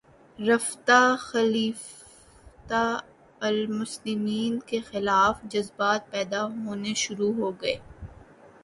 رفتہ خلیفتہ المسلمین کے خلاف جذبات پیدا ہونے شروع ہوگئے